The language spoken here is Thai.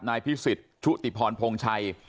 นายพิศิษฐ์ถุติพรพงษ์ชัย